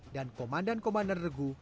dan komandan komandan regu